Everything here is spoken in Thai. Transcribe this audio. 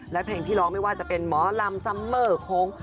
และเพลงที่ร้องไม่ว่าจะเป็นหมอลำซัมเมอร์โค้ง